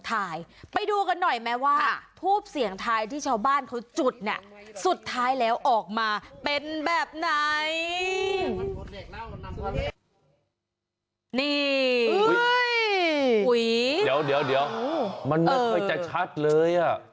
ใสนี่เฮ้ยเฮ้ยเดี๋ยวเดี๋ยวเดี๋ยวมันไม่ค่อยจะชัดเลยอ่ะ